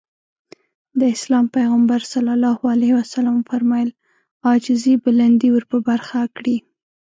د اسلام پيغمبر ص وفرمايل عاجزي بلندي ورپه برخه کړي.